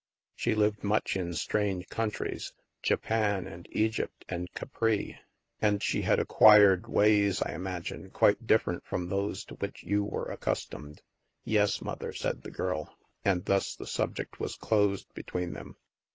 She lived much in strange countries — Japan, and Egypt, and Capri. And she had acquired ways, I imagine, quite differ ent from those to which you were accustomed." "Yes, Mother," said the girl. And thus the subject was closed between them.